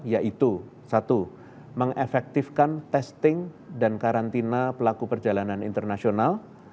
yaitu satu mengefektifkan testing dan karantina pelaku perjalanan internasional